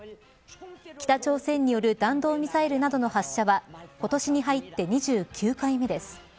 北朝鮮による弾道ミサイルなどの発射は今年に入って２９回目です。